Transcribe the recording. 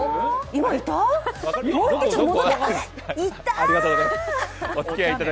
今いた？